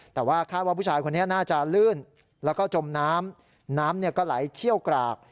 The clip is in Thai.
แต่ว่าคาดว่าผู้ชายคนนี้น่าจะลื่นแล้วก็จมน้ำน้ำก็ไหลเชี่ยวกราก